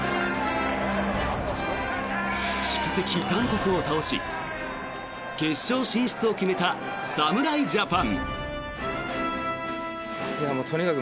宿敵・韓国を倒し決勝進出を決めた侍ジャパン。